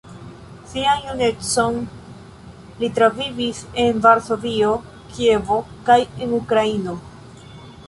Sian junecon li travivis en Varsovio, Kievo kaj en Ukraino.